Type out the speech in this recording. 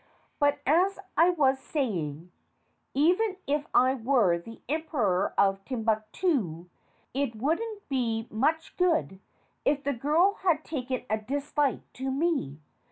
But, as I was saying, even if I were the Emperor of Timbuctoo, it wouldn't be much good if the girl had taken a dislike to me.